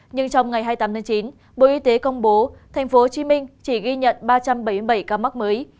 nhưng trong ngày hai mươi tám tháng chín bộ y tế công bố tp hcm chỉ ghi nhận ba trăm bảy mươi bảy ca mắc mới